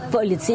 vợ liệt sĩ